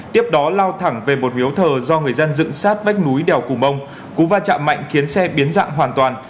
tiếp đó lao thẳng về một hiếu thờ do người dân dựng sát vách núi đèo cù mông cú va chạm mạnh khiến xe biến dạng hoàn toàn